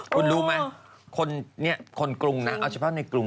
คุณรู้ไหมคนกรุงนะเอาเฉพาะในกรุง